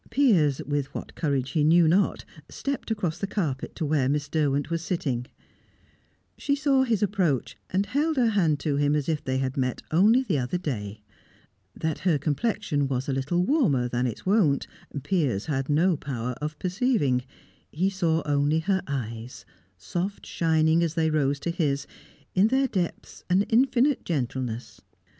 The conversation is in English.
Piers, with what courage he knew not, stepped across the carpet to where Miss Derwent was sitting. She saw his approach, and held her hand to him as if they had met only the other day. That her complexion was a little warmer than its wont, Piers had no power of perceiving; he saw only her eyes, soft shining as they rose to his, in their depths an infinite gentleness.